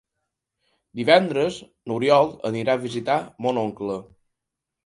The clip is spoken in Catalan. Divendres n'Oriol anirà a visitar mon oncle.